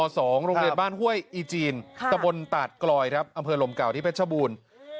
โรงเรียนบ้านห้วยอีจีนตะบนตาดกลอยครับอำเภอลมเก่าที่เพชรบูรณ์